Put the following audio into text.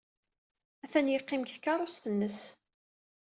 Atan yeqqim deg tkeṛṛust-nnes.